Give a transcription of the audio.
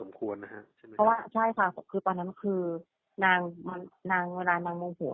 เพราะว่าใช่ค่ะคือตอนนั้นคือนางนางเวลานางงมหัว